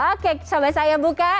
oke sampai saya buka